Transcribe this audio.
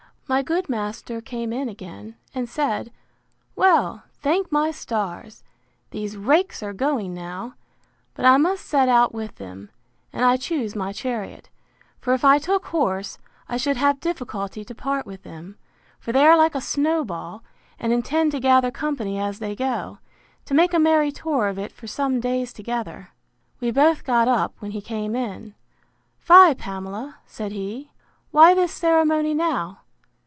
My good master came in again, and said, Well, thank my stars! these rakes are going now; but I must set out with them, and I choose my chariot; for if I took horse, I should have difficulty to part with them; for they are like a snowball, and intend to gather company as they go, to make a merry tour of it for some days together. We both got up, when he came in: Fie, Pamela! said he; why this ceremony now?